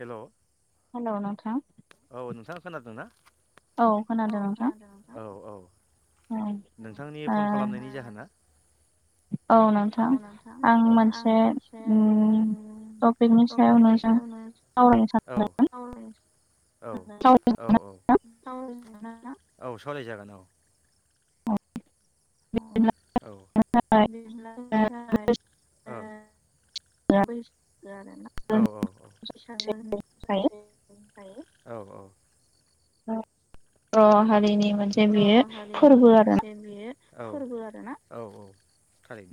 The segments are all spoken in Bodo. हेल' ओ नोंथां औ नोंथां खोनादों ना औ खोनादों औ औ नोंथांनि फन खालामनायनि जाहोना औ नोंथां आं मोनसे ओम टपिकनि सायाव नों सावरायनो सानदोंमोन औ औ औ सावरायजागोन औ औ बिदिब्ला जोङो जागाय [unintelligible] औ औ फसोन औ बर' हारिनि मोनसे बेयो फोरबो आरोना औ फोरबो आरो ना औ औ थारै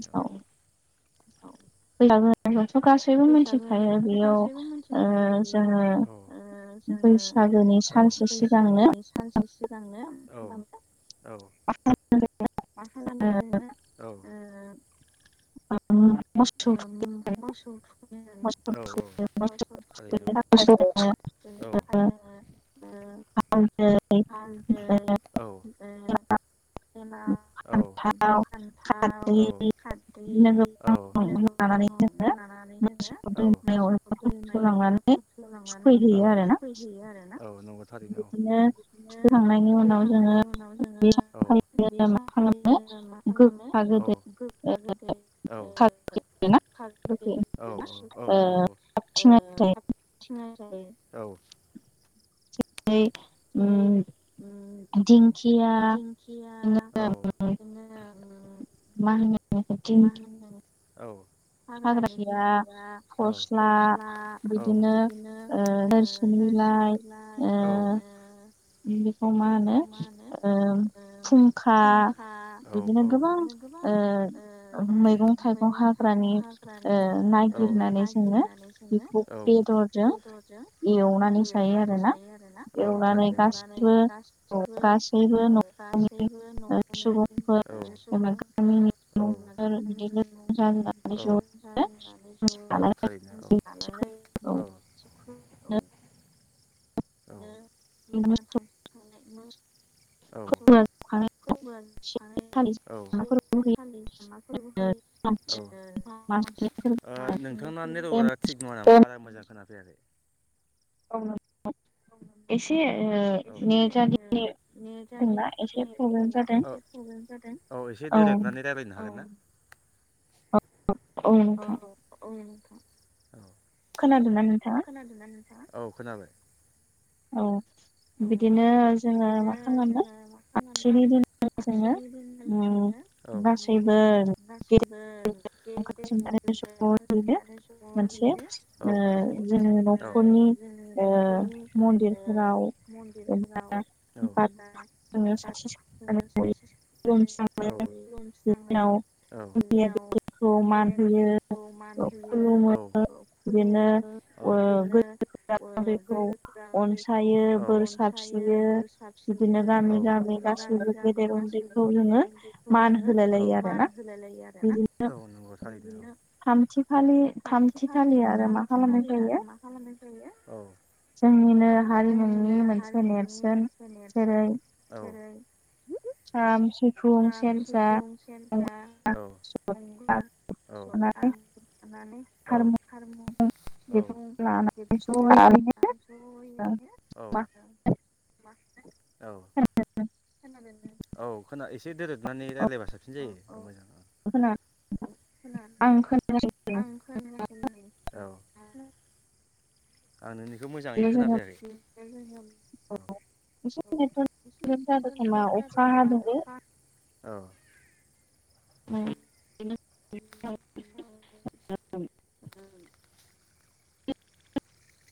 [unintelligible] बैसागु होनोबाथ' गासैबो मिथिखायो बेयाव ओ जोङो सानसे सिगांनो सिगांनो औ औ मा खालामो जोङो औ ओ [unintelligible] [unintelligible] [unintelligible] बार दै ओमफ्राय लाव फान्थाव खारदै बिदिनो गोबां लानानै जोङो दैमायाव एबा खस लांनानै थुखैहैयो आरो ना थारैनो औ थुखैखांनायनि उनाव जोङो बे सानखालिनो मा खालामो [unintelligible] [unintelligible] औ औ नंगौ ओ [unintelligible] औ दै उम उम दिंखिया औ बिदिनो उम मा होनगोन मा होनो औ हाग्रानि दिंखिया गस्ला बिदिनो ओ सोरसिं बिलाइ औ ओ बेखौ मा होनो ओ फुंखा बिदिनो गोबां गोबां मैगं थाइगं हाग्रानि ओ नागिरनानै जोङो बेखौ औ बेदरजों एवनानै जायो आरोना औ थारैनो माने गासिबो गासैबो न'खरनि औ सुबुंफोर औ औ औ थारैनो ओ औ औ [unintelligible] औ औ [unintelligible] औ ओ नोंथांना नेटवरा थिग नङा नामा बारा मोजां खोनाफैयाखै औ [unintelligible] एसे ओ नेटा दिनै जेनबा एसे प्रब्लेम जादों औ एसे दोरोबनानै रायलायनो हागोन ना अ अ [unintelligible] नोंथाङा औ खोनाबाय औ बिदिनो जोङो मा खालामो आसुनि दिन जोङो उम गासैबो गासैबो दै दैबो ओंखाम सोमनानै [unintelligible] औ मोनसे जोङो न'खरनि ओ मन्दिरफोराव मन्दिरफोराव औ एबा बाथौ [unintelligible] [unintelligible] खौ मान होयो खुलुमो [unintelligible] बिदिनोखौ [unintelligible] [unintelligible] बेखौ बोर सारस्रियो बिदिनो गामि गामि गासैबो गेदेर उन्दैखौ जोङो जोङो औ मान होलाय लायो आरो ना औ नंगौ थारैनो थामथिखालि थामथिखालि आरो मा खालामनाय जायो औ जों जोंनिनो हारिमुनि मोनसे नेरसोन जेरै आ खाम सिफुं सेरजा गंगोना औ आरो औ [inaudible] औ खोनादों ना औ एसे लोरोद। नानै रायलायबा साबसिन जायो। आंखला औ आं नोंनिखौ मोजाङै खोनाफैखै औ [unintelligible] अखा हादोंजे औ औ [unintelligible]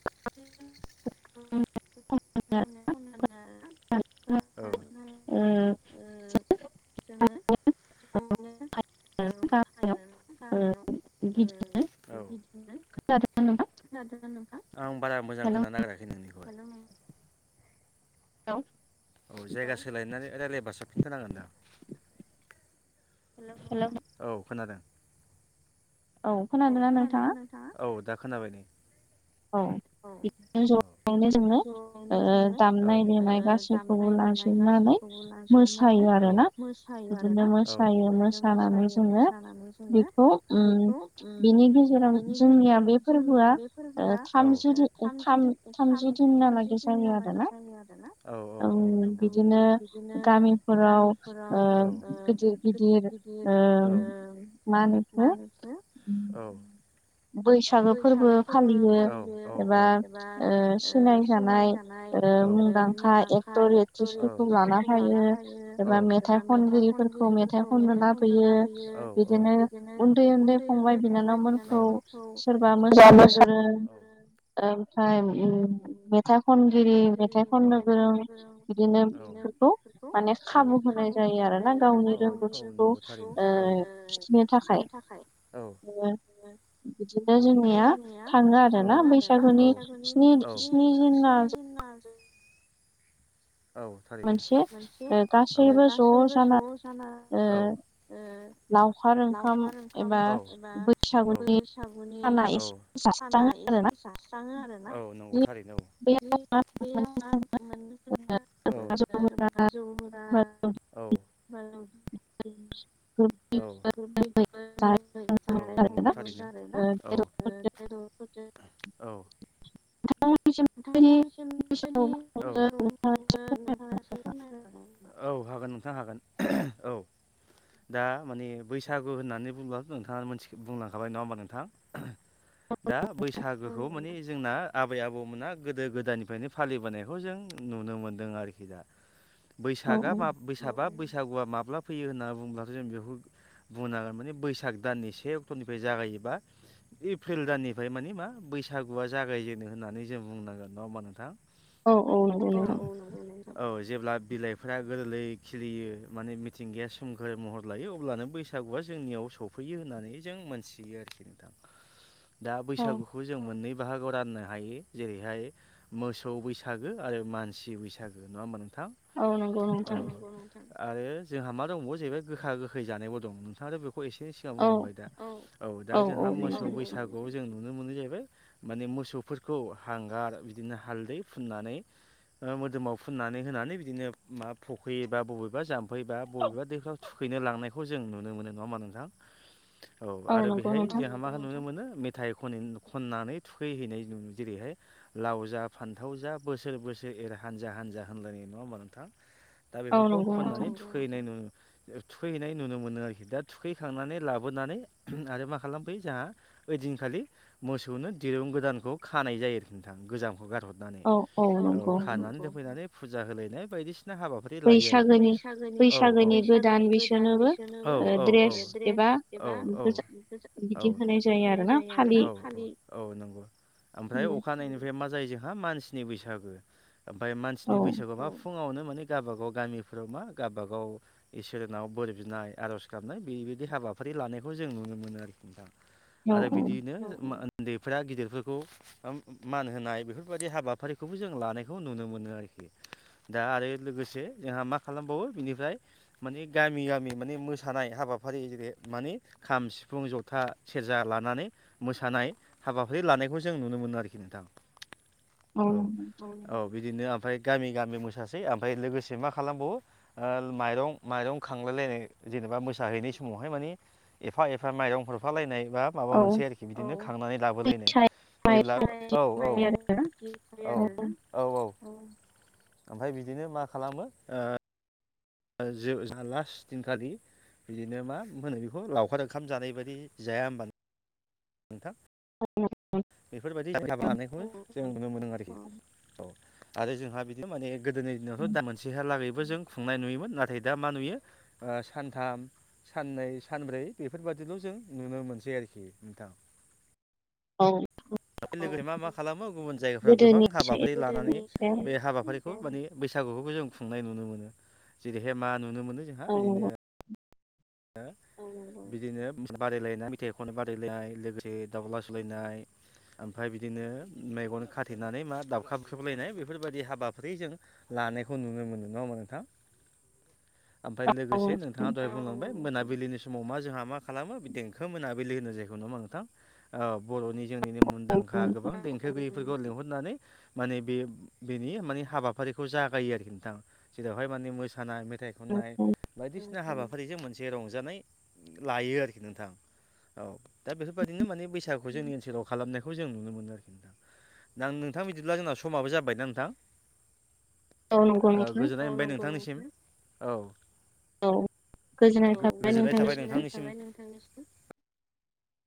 बेनो [unintelligible] [unintelligible] [unintelligible] आं बारा मोजां खोनानो नागिराखै नोंनिखौ। औे औ जायगा सोलायनानै रायलायबा साबसिन जासिगोनदां औ खोनादों। औ खोनादों नोंथाङा औ दा खोनाबाय दे औ [unintelligible] ओ दामनाय देनाय गासैखौबो लांजोबनानै मोसायो आरोना बिदिनो मोसायो मोसानानै जोङो बिनि गेजेराव जोंनिया बे फोरबोआ थामजि दिन नामा बादि जायो आरोना बिदिनो गामिफोराव गिदिर गिदिर ओ मा‌ होनो इखौ औ बैसागो फोरबो फालियो एबा ओ सिनाय जानाय ओ मुंदांखा एकतर एकत्रिस फोरखौ लाना फैयो मेथाइ खनगिरि खगिरिफोरखौ मेथाइ खननो ला फैयो बिदिनो उन्दै उन्दै फंबाय बिनानावमोन सोरबा मोसानो गोरों ओमफ्राय मेथाइ खनगिरि मेथाइ खननो गोरों बिदिनो बेफोरखौ माने खाबु होनाय जायो आरो ना गावनि रोंगौथिखौ खिथिनो थाखाय थाखाय औ बिदिनो जोंनिया थाङो आरोना बैसागु ना बैसागुनि स्नि दिना औ थारैनो मोनसे गासैबो ज' जाना औ ओ लावखार ओंखाम एबा बैसागुनि दाना एसे जास्राङो [unintelligible] जास्रायो आरो ना औ नंगौ थारैनो बेयाव आं [unintelligible] [unintelligible] औ [unintelligible] औ औ नंगौ थारैनो औ [unintelligible] नोंथांनिसिमबायदि बैसागुखौ मा बादि खुङो नोंथाङा एसे फोरमायनो हागोन नामा। हागोन नोंथां हागोन औ दा माने बैसागु होननानै बुंब्लाथ' नोंथाङा मोनथि बुंलांखाबाय नङा होमबा नोंथां दा बैसागोखौ माने जोंना आबै आबौ गोदो गोदायनिफ्रायनो फालिबोनायखौ जों नुनो मोनदों आरोखि दा बैसागा बैसागा बैसागुआ माब्ला फैयो होनना बुंङोब्लाथ जों बेखौ बुंनांगोन माने बैसाग दाननि से अक्ट'निफ्राय जागायोबा एप्रिल दाननिफ्राय मानि मा बैसागुआ जागायजेनो होननानै जों बुंनांगोन नङा होमबा नोंथां औ औ नंगौ नोंथां जेब्ला बिलाइफोरा गोरलै खिलियो माने मिथिंगाया सोमखोर महर लायो अब्लानो बैसागुआ जा जोंनियाव सौफैयो होननानै जों मोनथियो आरोखि नोंथां [inaudible] दा बैसागुखौ जों मोननै बाहागोआव राननो हायो। जेरैहाय मोसौ बैसागो आरो मानसि बैसागो नङा नों औ नंगौ नोंथां आरो जोंहा मा दंबावो जाहैबाय गोखा गोखै जानायबो दं नोंथाङाथ बे एसे सिगां बुंलांबाय दा औ दा जोंहा मोसौ बैसागु जों नुनो मोनो जाहैबाय माने मोसौफोरखौ हांगार बिदिनो हालदै फुननानै मोदोमाव फुननानै होनानै बिदिनो माबा फुखैयोबा बबेबा जाम्फैबा बबेबा दैायाव थुखैयो बेनो लांनायखौ जों नुनो मोनो नङा होनबा नोंथां? [inaudible] औ आरो बेहाय जोंहा मा नुनो मोनो मेथाइ खन खननानै थुखैहैनाय न जेरैहाय लाव जा फान्थाव जा बोसोर बोसोर एरै हानजा हानजा होनलायनाय नङा होमबा नोंथां दा बेफोरखौ खननानै थुखैनाय नुनो मोनो थुखैहैनाय नुनो मोनो आरोखि दा थुखैखांनानै लाबोनानै आरो मा खालामफैयो जोंहा ओइदिनखालि मोसौनो दिरुं गोदानखौ खानाय जायो। नोंथां गोजामखौ गारहरनानै औ खानानै दोनफैनानै फुजा होलायनाय बायदिसिना हाबाफारि लायो आरोखि बैसागोनि बैसागोनि गोदान बिसोरनो औ द्रेस औ औ औ बि होनाय जायो आरो ना औ नंगौ ओमफ्राय अखानायनायनो मा जायो जोंहा मानसिनि बैसागो ओमफ्राय मानसिनि बैसागु मा फुङानो मान गावबा गाव गामिफोराव मा गावबागाव इसोरनाव बोर बिनाय आर'ज गाबनाय बिबायदि हाबाफोर उदै लानायखौ जों नुनो मोनो आरोखि नोंथां आरो बिदिनो उन्दैफ्रा गिदिरफोरखौ मान होनाय बेफोरबायाददि हाबाफारिखौबो जों लानायखौ नुनो मोनो आरोखि दा आरो लोगोसे जोंहा मा खालामबावो बिनिफ्राय माने गामि गामि माने मोसानाय हाबा हाबाफारि जेरै माने खाम सिफुं जथा सेरजा लानानै मोसानाय हाबाफारि ल जानायखौ जों नुनो मोन आरोखि नोंथां औ औ बिदिनो ओमफ्राय गामि गामि मोसासै ओमफ्राय लोगोसे मा खालामबावो माइरं माइरं खांलायलायनाय जेनेबा मोसाहैनाय समावहाय मानि एफा एफा माइरं हफालायनाय बा माबा मोनसे आरोखि बिदिनो खांनानै लाबोलायनाय जेब्ला औ औ औ औ औ ओमफ्राय बिदिनो मा खालामो जा जोंहा लास्ट दिनखालि बिदिनो मा होनो बेखौ लावखार ओंखाम जानाय बायदि जाया होनबा नोंथां नोंथां बेफोरबायदि हाबा लानायखौ जों नुनो मोनदों आरोखि औ आरो जोंहा बिदिनो माने गोदोनि दिनावथ दा मोनसेहा लागै बो जों खुंनाय नुयोमोन नाथाय दा मा नुयो सानथाम साननै सानब्रै बेफोरबादिल जों नुनो मोनसै आरोखि नोंथां औ बे मा मा खालामो गुबुन जायगाफ्राव गोबां हाबाफारि लानानै बे हाबाफारिखौ माने बैसाग बैसागुखौबो जों खुंनाय नुनो मोनो जेरैहाय मा नुनो मोनो जोंहा बिदिनो बिदिनो बादायलायनाय मेथाइ खननाय बादायलायनाय लोगोसे दाउला सौलायनाय ओमफ्राय बिदिनो मेगन खाथेनानै मा दाबखा बुखृबलायनाय बेफोरबायदि हाबाफोर जों लानायखौ नुनो मोनो नङा होमबा नोंथां [unintelligible] ओमफ्राय लोगोसे नोंथाङा दहाय बुंलांबाय मोनाबिलिनि समाव मा जोंहा मा खालामो देंखो मोनाबिलि होनो जायखौ नङा नोंथां बर'नि जोंनिनो मुंदांखा गोबां देंखोगिरिफोर फोरखौ लिंहरनानै माने बेनि माने हाबाफारिखौ जागायो आरोखि नोंथा जेरावहाय माने मोसानाय मेथाय खननाय बायदिसिना हाबाफारिजों मोनसे जे रंजानाय लायो आरोखि नोंथां औ दा बेफोरबायदिनो माने बैसागु जोंनि ओनसोलाव खालामनायखौ जों नुनो मोनो आरोखि दा नोंथां बिदिब्ला जोंना समाबो जाबायना नोंथां औ गोजोननाय मोनबाय नोंथांनिसिम औ औ गोजोननाय थाबाय नोंथांनिसिम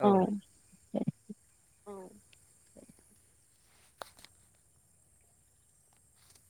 औ